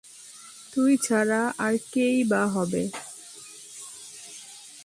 তুই ছাড়া আর কে-ই বা হবে!